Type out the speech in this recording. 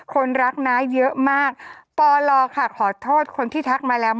คนรักน้าเยอะมากปลค่ะขอโทษคนที่ทักมาแล้ว